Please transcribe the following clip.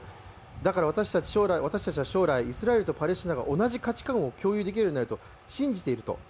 だから私たちは将来、イスラエルとパレスチナが同じ価値観を共有できると信じていると。